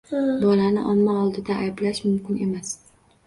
Bolani omma oldida ayblash mumkin emas.